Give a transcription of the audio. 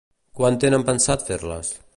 Quan tenen pensat fer-les?